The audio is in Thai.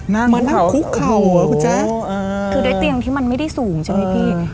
นั่งคุกเข่ามานั่งคุกเข่าอ่ะคุณแจ๊กอ่าคือด้วยเตียงที่มันไม่ได้สูงใช่ไหมพี่